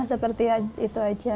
seperti itu saja